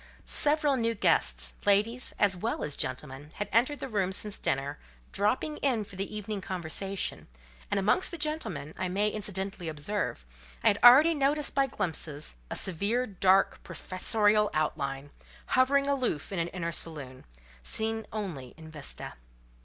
Several new guests, ladies as well as gentlemen, had entered the room since dinner, dropping in for the evening conversation; and amongst the gentlemen, I may incidentally observe, I had already noticed by glimpses, a severe, dark, professorial outline, hovering aloof in an inner saloon, seen only in vista.